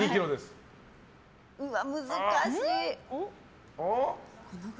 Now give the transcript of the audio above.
うわ、難しい。